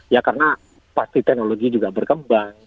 ya karena pasti teknologi juga berkembang